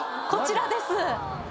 こちらです。